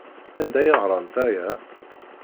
Anda ay ɣrant aya?